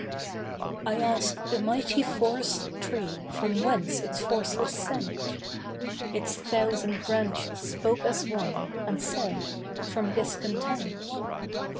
I asked the mighty forest tree from whence its force was sent. Its thousand branches spoke as one, and said, 'From discontent.